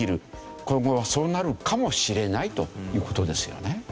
今後はそうなるかもしれないという事ですよね。